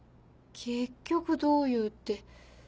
結局どういうって。